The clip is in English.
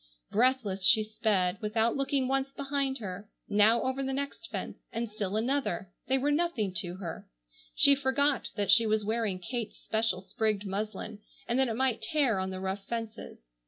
Breathless she sped, without looking once behind her, now over the next fence and still another. They were nothing to her. She forgot that she was wearing Kate's special sprigged muslin, and that it might tear on the rough fences.